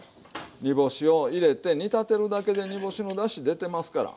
煮干しを入れて煮立てるだけで煮干しのだし出てますから。